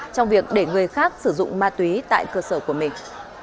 trong việc để người khác sử dụng ma túy tại cơ sở của mình